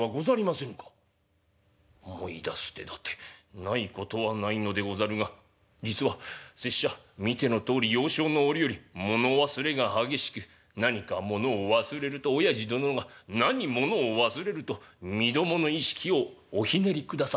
「思い出す手だてないことはないのでござるが実は拙者見てのとおり幼少の折々物忘れが激しく何か物を忘れるとおやじ殿が何物を忘れるとみどもの居敷をおひねりくださった。